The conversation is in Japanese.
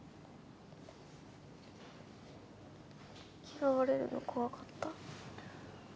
嫌われるの怖かった。